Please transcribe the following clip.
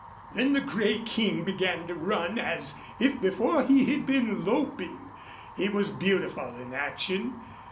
Then the gray King began to run as if before he had been loping. He was beautiful in action.